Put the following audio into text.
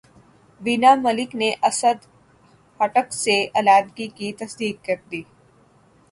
وینا ملک نے اسد خٹک سے علیحدگی کی تصدیق کردی